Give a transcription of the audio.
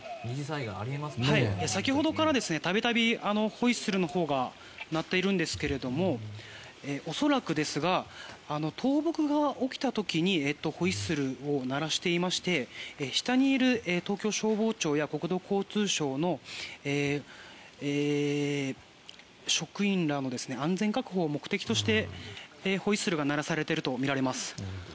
先ほどから、度々ホイッスルが鳴っているんですけれども恐らくですが倒木が起きた時にホイッスルを鳴らしていまして下にいる東京消防庁や国土交通省の職員らの安全確保を目的としてホイッスルが鳴らされているとみられます。